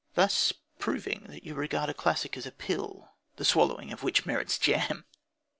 Thus proving that you regard a classic as a pill, the swallowing of which merits jam!